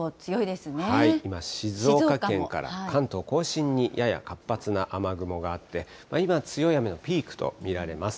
今、静岡県から関東甲信にやや活発な雨雲があって、今、強い雨のピークと見られます。